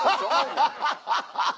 アハハハハ！